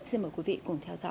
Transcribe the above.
xin mời quý vị cùng theo dõi